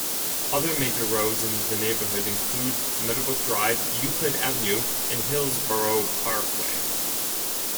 Other major roads in the neighborhood include Meadowbrook Drive, Euclid Avenue, and Hillsboro Parkway.